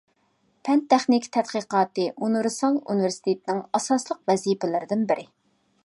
پەن-تېخنىكا تەتقىقاتى ئۇنىۋېرسال ئۇنىۋېرسىتېتنىڭ ئاساسلىق ۋەزىپىلىرىدىن بىرى.